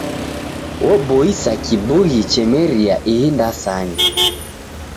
Oboisa kibughi chemeria ihi ndasanya.